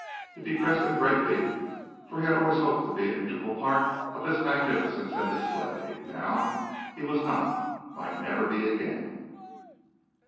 It depressed him greatly, for he had always hoped to be an integral part of this magnificence and display and now he was not might never be again.